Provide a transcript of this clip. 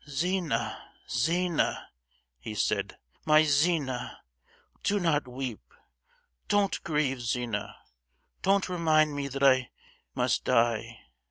"Zina, Zina!" he said, "my Zina, do not weep; don't grieve, Zina, don't remind me that I must die!